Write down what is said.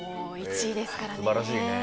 １位ですからね。